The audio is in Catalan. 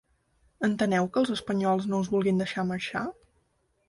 Enteneu que els espanyols no us vulguin deixar marxar?